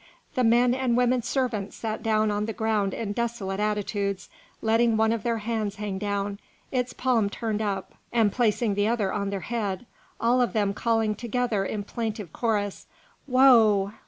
The men and women servants sat down on the ground in desolate attitudes, letting one of their hands hang down, its palm turned up, and placing the other on their head, all of them calling together in plaintive chorus, "Woe!